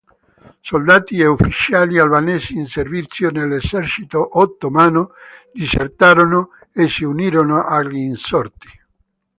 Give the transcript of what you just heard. Soldati e ufficiali albanesi in servizio nell'esercito ottomano disertarono e si unirono agli insorti.